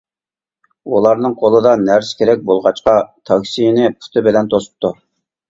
ئۇلارنىڭ قولىدا نەرسە-كېرەك بولغاچقا تاكسىنى پۇتى بىلەن توسۇپتۇ.